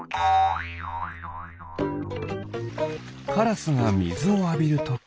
カラスがみずをあびるとき。